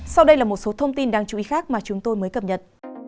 sau đây là một số thông tin đáng chú ý khác mà chúng tôi mới cập nhật